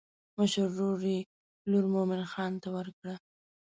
مشر ورور یې لور مومن خان ته ورکړه.